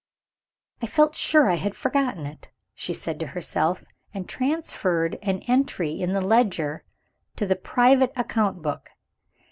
"I felt sure I had forgotten it!" she said to herself and transferred an entry in the ledger to the private account book.